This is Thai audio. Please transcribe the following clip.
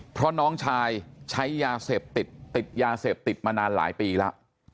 เพราะน้องชายใช้ยาเสพติดติดยาเสพติดมานานหลายปีแล้ว